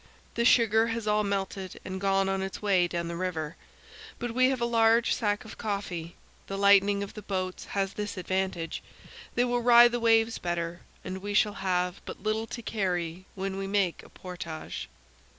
The sugar has all melted and gone on its way down the river. But we have a large sack of coffee. The lightening of the boats has this advantage: they will ride the waves better and we shall have but little to carry when we make a portage.